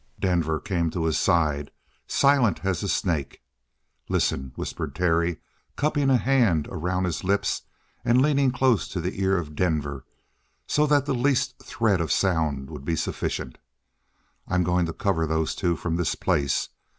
Denver came to his side, silent as a snake. "Listen," whispered Terry, cupping a hand around his lips and leaning close to the ear of Denver so that the least thread of sound would be sufficient. "I'm going to cover those two from this place.